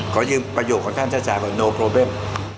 ขอยืมประโยชน์ค่อนข้างชาชาวว่าโนโพรเบิม